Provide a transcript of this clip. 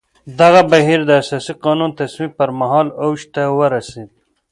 دغه بهیر د اساسي قانون تصویب پر مهال اوج ته ورسېد.